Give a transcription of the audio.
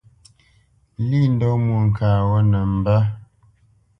Lî ndɔ́ Mwôŋkát ghó nə mbə́.